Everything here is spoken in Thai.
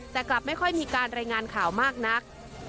แต่กลับไม่ค่อยมีการรายงานข่าวมากนัก